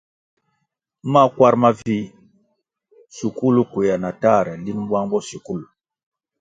Makwar mavih, shukul kwea na tahre linʼ bwang bo shukul.